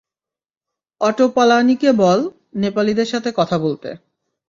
Auto পালানিকে বল, নেপালিদের সাথে কথা বলতে।